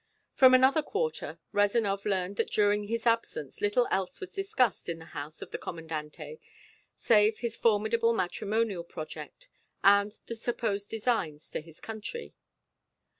From another quarter Rezanov learned that during his absence little else was discussed in the house of the Commandante save his formidable matrimonial project, and the supposed designs to his country.